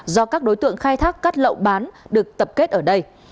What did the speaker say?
do các đối tượng khai thác cát lậu bán được tập kết ở đây